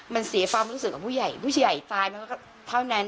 มันเสียความรู้สึกกับผู้ใหญ่ผู้ใหญ่ตายมันก็เท่านั้น